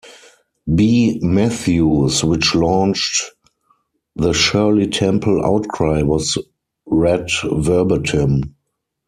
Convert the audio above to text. B. Matthews, which launched the Shirley Temple outcry was read verbatim.